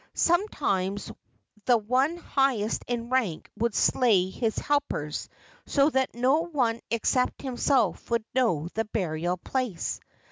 Sometimes the one highest in rank would slay his helpers so that no one except himself would know the burial place.